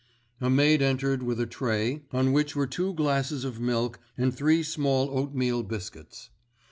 A maid entered with a tray on which were two glasses of milk and three small oatmeal biscuits.